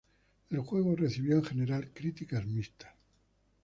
El juego recibió en general críticas mixtas.